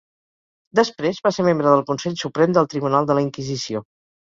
Després, va ser membre del Consell Suprem del Tribunal de la Inquisició.